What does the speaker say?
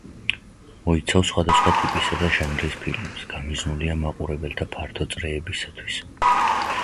მოიცავს სხვადასხვა ტიპისა და ჟანრის ფილმებს, გამიზნულია მაყურებელთა ფართო წრეებისათვის.